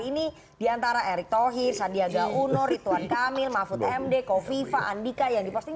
ini diantara erick thohir sandiaga uno ridwan kamil mahfud md kofifa andika yang diposting